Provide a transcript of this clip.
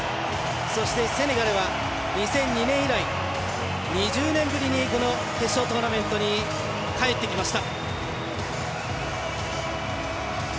そしてセネガルは２００２年以来２０年ぶりにこの決勝トーナメントに帰ってきました。